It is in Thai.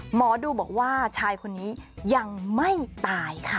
หมอดูบอกว่าชายคนนี้ยังไม่ตายค่ะ